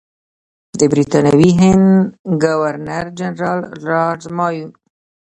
د برټانوي هند ګورنر جنرال لارډ مایو.